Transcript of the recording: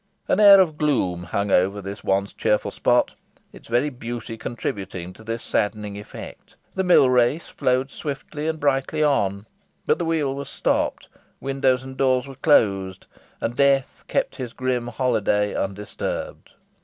An air of gloom hung over this once cheerful spot: its very beauty contributing to this saddening effect. The mill race flowed swiftly and brightly on; but the wheel was stopped, windows and doors were closed, and death kept his grim holiday undisturbed.